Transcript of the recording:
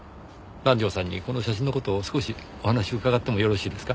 南条さんにこの写真の事を少しお話伺ってもよろしいですか？